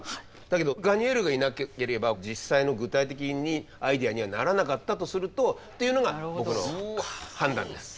だけどガニェールがいなければ実際の具体的にアイデアにはならなかったとするとっていうのが僕の判断です。